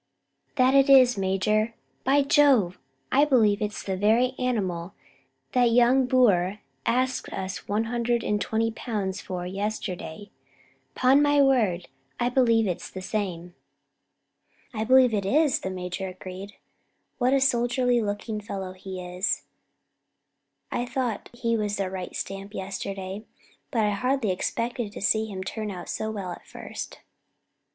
"That it is, major. By Jove, I believe it's the very animal that young Boer asked us one hundred and twenty pounds for yesterday; 'pon my word, I believe it's the same." "I believe it is," the major agreed. "What a soldierly looking young fellow he is! I thought he was the right stamp yesterday, but I hardly expected to see him turn out so well at first."